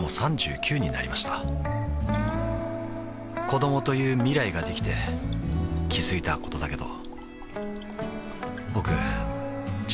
子どもという未来ができて気づいたことだけど